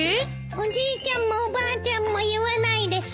おじいちゃんもおばあちゃんも言わないです。